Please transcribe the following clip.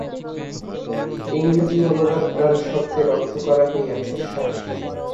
ইংরেজী অনুবাদ প্রাণ-শব্দের অর্থ করা হইয়াছে শ্বাস।